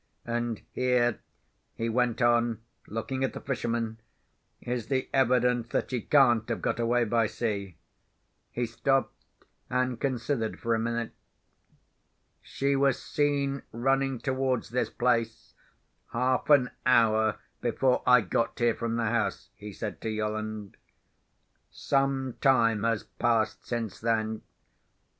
And here," he went on, looking at the fisherman, "is the evidence that she can't have got away by sea." He stopped, and considered for a minute. "She was seen running towards this place, half an hour before I got here from the house," he said to Yolland. "Some time has passed since then.